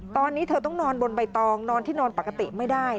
ตอนนี้เธอต้องนอนบนใบตองนอนที่นอนปกติไม่ได้